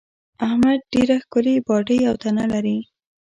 احمد ډېره ښکلې باډۍ او تنه لري.